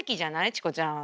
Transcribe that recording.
チコちゃん。